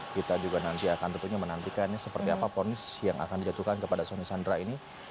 kita juga nanti akan tentunya menantikan seperti apa ponis yang akan dijatuhkan kepada soni sandra ini